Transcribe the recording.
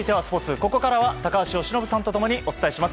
ここからは高橋由伸さんと共にお伝えします。